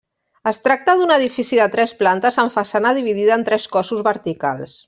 Es tracta d'un edifici de tres plantes amb façana dividida en tres cossos verticals.